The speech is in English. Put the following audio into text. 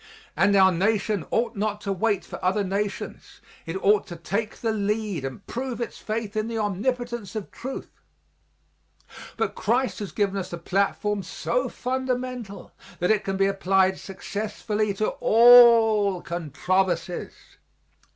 And our nation ought not to wait for other nations it ought to take the lead and prove its faith in the omnipotence of truth. But Christ has given us a platform so fundamental that it can be applied successfully to all controversies.